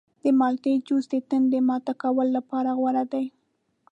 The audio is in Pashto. د مالټې جوس د تندې ماته کولو لپاره غوره دی.